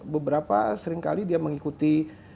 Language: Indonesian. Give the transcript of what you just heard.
beberapa seringkali dia mengikuti